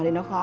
thì nó khó